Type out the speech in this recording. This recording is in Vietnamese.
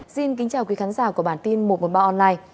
xin kính chào quý khán giả của bản tin một trăm một mươi ba online